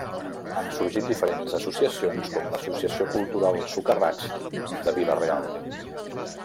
Han sorgit diferents associacions com l'Associació Cultural Socarrats de Vila-real.